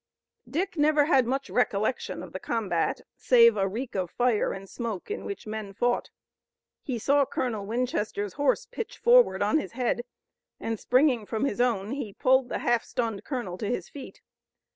Dick never had much recollection of the combat, save a reek of fire and smoke in which men fought. He saw Colonel Winchester's horse pitch forward on his head and springing from his own he pulled the half stunned colonel to his feet.